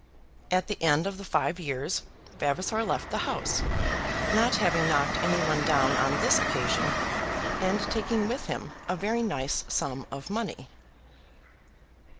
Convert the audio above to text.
At the end of the five years Vavasor left the house, not having knocked any one down on this occasion, and taking with him a very nice sum of money.